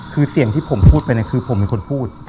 คือเสียงที่ผมพูดไปเนี่ยคือผมเป็นคนพูด